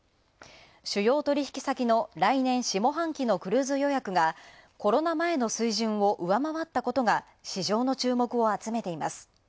主要取引先の来年下半期のクルーズ予約がコロナ前の水準を上回ったことが市場の注目を集めています。